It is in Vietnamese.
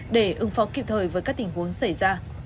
để ứng phó kịp thời với các tình huống xảy ra